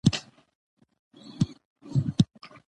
په فلورس جزیره کې لومړنیو انسانانو د کوچنیوالي پروسه پیل کړه.